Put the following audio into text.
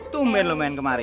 tumben lu main kemari